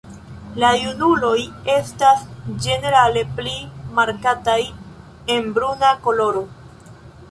La junuloj estas ĝenerale pli markataj en bruna koloro.